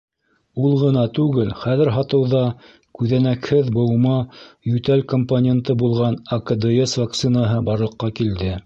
Ул ғына түгел, хәҙер һатыуҙа «күҙәнәкһеҙ быума йүтәл компоненты» булған АКДС вакцинаһы барлыҡҡа килде.